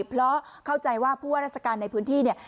เพราะเข้าใจว่าผู้ว่าราชการในพื้นที่เนี่ย